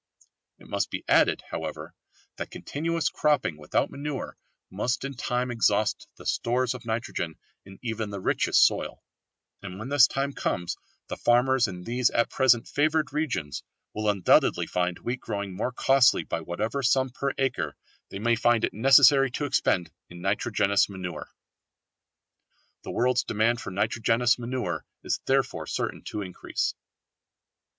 It must be added, however, that continuous cropping without manure must in time exhaust the stores of nitrogen in even the richest soil, and when this time comes the farmers in these at present favoured regions will undoubtedly find wheat growing more costly by whatever sum per acre they may find it necessary to expend in nitrogenous manure. The world's demand for nitrogenous manure is therefore certain to increase.